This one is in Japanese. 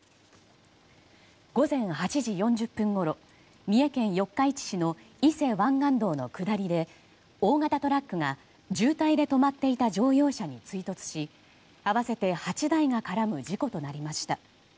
午前８時４０分ごろ三重県四日市市の伊勢湾岸道の下りで大型トラックが渋滞で止まっていた乗用車に追突し合わせて８台が絡む事故となりました。